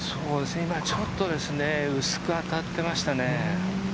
今ちょっと薄く当たっていました。